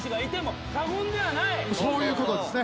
そういうことですね。